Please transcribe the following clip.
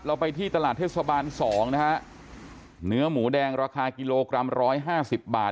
ไปที่ตลาดเทศบาลสองนะฮะเนื้อหมูแดงราคากิโลกรัมร้อยห้าสิบบาท